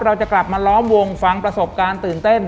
เราจะกลับมาล้อมวงฟังประสบการณ์ตื่นเต้น